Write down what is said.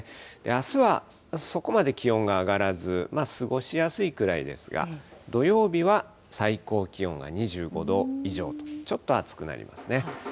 あすはそこまで気温が上がらず、過ごしやすいくらいですが、土曜日は最高気温が２５度以上と、ちょっと暑くなりますね。